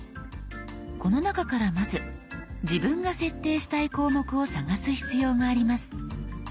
この中からまず自分が設定したい項目を探す必要があります。